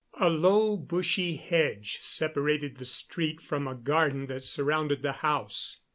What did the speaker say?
A low, bushy hedge separated the street from a garden that surrounded the house.